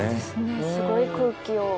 すごい空気を。